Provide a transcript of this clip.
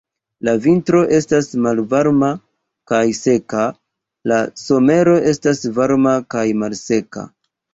La vintro estas malvarma kaj seka, la somero estas varma kaj malseka.